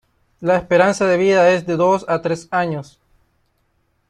La esperanza de vida es de dos a tres años.